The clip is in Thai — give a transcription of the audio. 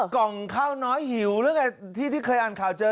กล่องข้าวน้อยหิวหรือไงที่เคยอ่านข่าวเจอ